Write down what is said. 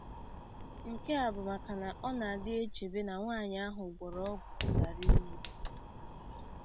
Nke a bụ maka na a na-adị echèbé na nwaanyị ahụ gwọrọ ọgwụ ndarụiyi